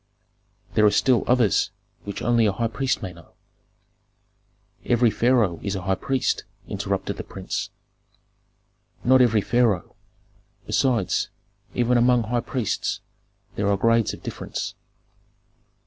There are still others which only a high priest may know." "Every pharaoh is a high priest," interrupted the prince. "Not every pharaoh. Besides, even among high priests there are grades of difference."